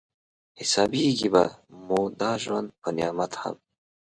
حسابېږي به مو دا ژوند په نعمت هم